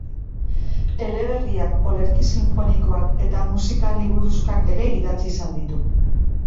Eleberriak, olerki sinfonikoak eta musikal-liburuxkak ere idatzi izan ditu.